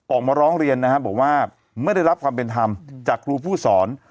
ออกมาร้องเรียนนะครับบอกว่าไม่ได้รับความเป็นธรรมจากครูผู้สอน